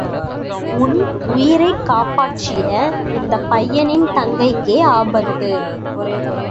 என் உயிரைக் காப்பாற்றிய இந்தப் பையனின் தங்கைக்கே ஆபத்து.